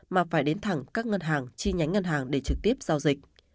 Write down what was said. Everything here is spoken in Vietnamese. mà phải đến thẳng các ngân hàng chi nhánh ngân hàng để trực tiếp giao dịch